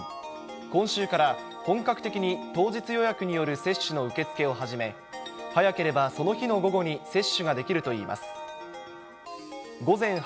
今週から本格的に当日予約による接種の受け付けを始め、早ければその日の午後に接種ができるといいます。